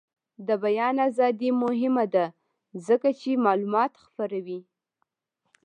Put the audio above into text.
د بیان ازادي مهمه ده ځکه چې معلومات خپروي.